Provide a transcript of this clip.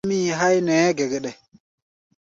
Ɓɛɛ́ nɛ mii háí nɛ́ɛ́ gɛgɛɗɛ.